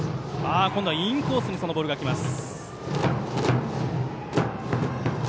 今度はインコースにそのボールが来ます。